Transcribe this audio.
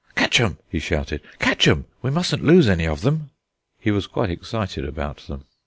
"Catch 'em!" he shouted; "catch 'em! We mustn't lose any of them." He was quite excited about them.